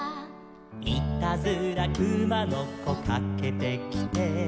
「いたずらくまのこかけてきて」